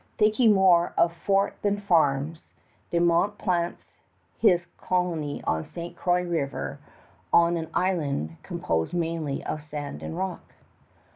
Thinking more of fort than farms, De Monts plants his colony on Ste. Croix River, on an island composed mainly of sand and rock.